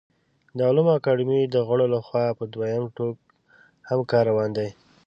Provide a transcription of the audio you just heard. د علومو اکاډمۍ د غړو له خوا په دویم ټوک هم کار روان دی